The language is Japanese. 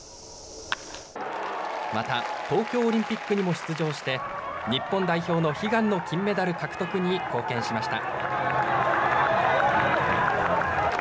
また東京オリンピックにも出場して日本代表の悲願の金メダル獲得に貢献しました。